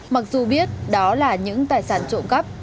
mặc dù biết đó là những tài sản trộn cấp